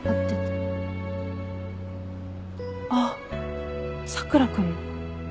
あっ佐倉君の？